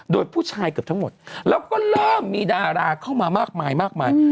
โดยผู้ชายเกือบทั้งหมดแล้วก็เริ่มมีดาราเข้ามามากมายมากมาย